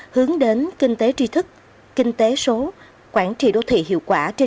hướng đến kinh tế tri thức kinh tế số quản trị đô thị hiệu quả